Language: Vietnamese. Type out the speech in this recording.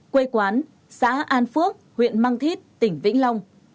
quê quán xã an phước huyện mang thít tỉnh vĩnh long